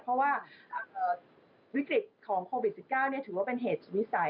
เพราะว่าวิกฤตของโควิด๑๙ถือว่าเป็นเหตุวิสัย